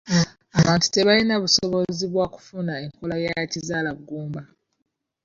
Abantu tebalina busobozi bwa kufuna enkola za kizaalaggumba.